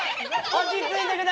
落ち着いてください！